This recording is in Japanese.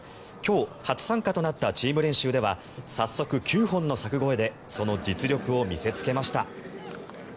今日、初参加となったチーム練習では早速、９本の柵越えでその実力を見せつけました。